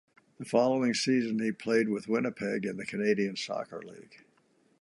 The following season he played with Winnipeg in the Canadian National Soccer League.